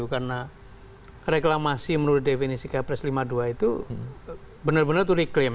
karena reklamasi menurut definisi kpres lima puluh dua itu benar benar itu reklaim